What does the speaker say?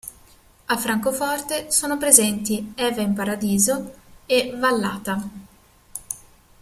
A Francoforte sono presenti "Eva in Paradiso" e "Vallata".